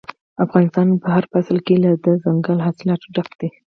افغانستان په هر فصل کې له دځنګل حاصلاتو ډک دی.